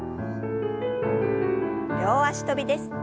両脚跳びです。